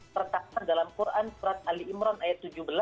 terkata dalam quran surat ali imran ayat tujuh belas